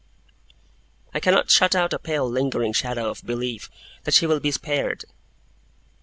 I cannot shut out a pale lingering shadow of belief that she will be spared.